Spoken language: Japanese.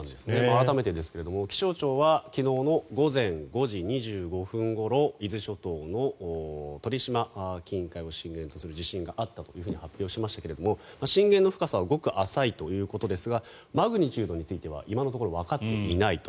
改めてですが気象庁は昨日の午前５時２５分ごろ伊豆諸島の鳥島近海を震源とする地震があったと発表しましたが震源の深さはごく浅いということですがマグニチュードについては今のところわかっていないと。